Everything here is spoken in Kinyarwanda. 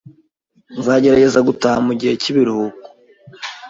Nzagerageza gutaha mugihe cyibiruhuko